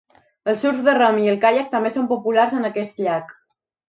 El surf de rem i el caiac també són populars en aquest llac.